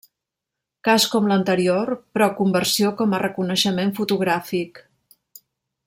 Cas com l'anterior, pro conversió com a reconeixement fotogràfic.